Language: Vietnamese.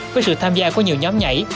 với sự tham gia của nhiều nhóm nhảy